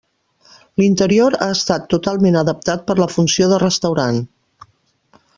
L’interior ha estat totalment adaptat per la funció de restaurant.